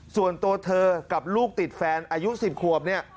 ส่วนตัวเธอกับลูกติดแฟนอายุ๑๐ควร